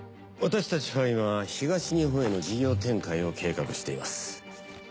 私たちは今東日本への事業展開を計画しています。